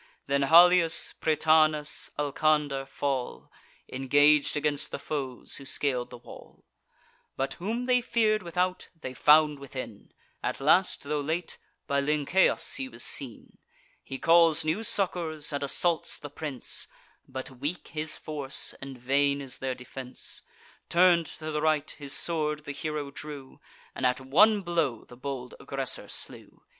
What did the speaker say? Then Halius, Prytanis, Alcander fall— Engag'd against the foes who scal'd the wall: But, whom they fear'd without, they found within. At last, tho' late, by Lynceus he was seen. He calls new succours, and assaults the prince: But weak his force, and vain is their defence. Turn'd to the right, his sword the hero drew, And at one blow the bold aggressor slew.